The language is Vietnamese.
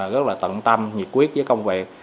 rất là tận tâm nhiệt quyết với công việc